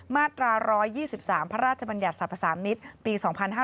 มาตรา๑๒๓พระราชบัญญัติสรรพสามิตรปี๒๕๕๙